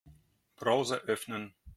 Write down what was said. Browser öffnen.